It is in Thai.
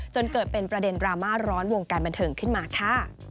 จนเกิดเป็นประเด็นดราม่าร้อนวงการบันเทิงขึ้นมาค่ะ